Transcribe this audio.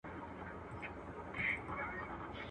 په ژبه خپل په هدیره او په وطن به خپل وي.